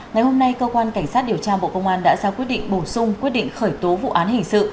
ngày hôm nay cơ quan cảnh sát điều tra bộ công an đã ra quyết định bổ sung quyết định khởi tố vụ án hình sự